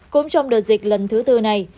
cũng trong đợt dịch lần thứ tư này